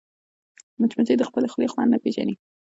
مچمچۍ د خپلې خولې خوند نه پېژني